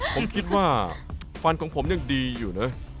ผมคิดว่าฟันของผมยังดีอยู่นะ